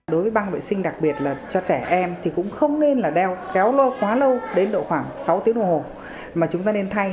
đối với băng vệ sinh đặc biệt là cho trẻ em thì cũng không nên là đeo kéo lâu quá lâu đến độ khoảng sáu tiếng đồng hồ mà chúng ta nên thay